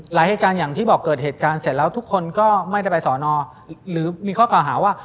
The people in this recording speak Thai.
เหตุการณ์อย่างที่บอกเกิดเหตุการณ์เสร็จแล้วทุกคนก็ไม่ได้ไปสอนอหรือมีข้อกล่าวหาว่า